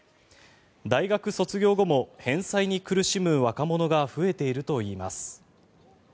大学卒業後も返済に苦しむ若者が増えているといいます。